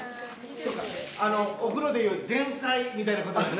お風呂でいう前菜みたいなことですね。